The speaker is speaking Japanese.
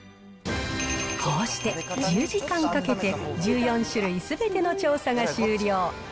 こうして１０時間かけて、１４種類すべての調査が終了。